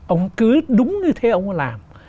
ông cứ đúng như thế ông ấy làm